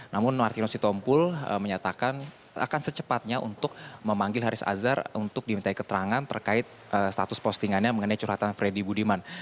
namun martinus sitompul menyatakan akan secepatnya untuk memanggil haris azhar untuk diminta keterangan terkait status postingannya mengenai curhatan freddy budiman